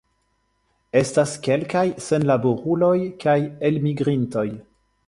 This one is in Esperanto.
Estas kelkaj senlaboruloj kaj elmigrintoj.